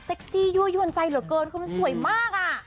เซ็กซี่ยั่วย่วนใจเหลือเกินเค้ามันสวยมาก